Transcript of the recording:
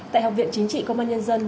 tại học viện chính trị công an nhân dân